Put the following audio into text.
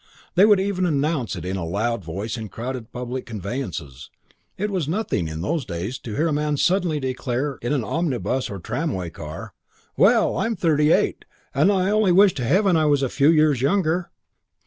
They would even announce it in a loud voice in crowded public conveyances. It was nothing, in those days, to hear a man suddenly declare in an omnibus or tramway car, "Well, I'm thirty eight and I only wish to heaven I was a few years younger."